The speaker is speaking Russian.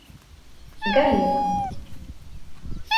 Галина